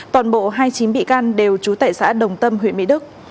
toàn bộ hai mươi chín bị can đều trú tại xã đồng tâm huyện mỹ đức